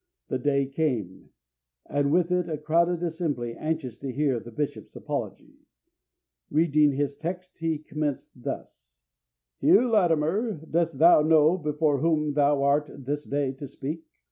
The day came, and with it a crowded assembly anxious to hear the bishop's apology. Reading his text, he commenced thus: 'Hugh Latimer, dost thou know before whom thou art this day to speak?